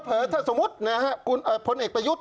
เผลอเผลอถ้าสมมติคุณพลเอกประยุทธ์